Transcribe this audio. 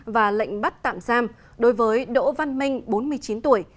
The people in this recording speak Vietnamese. và lệnh bắt tạm giam đối với đỗ văn minh bốn mươi chín tuổi